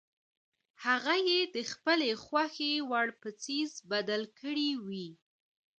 هغه یې د خپلې خوښې وړ په څیز بدل کړی وي.